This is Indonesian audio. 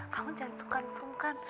kamu jangan sukan sukan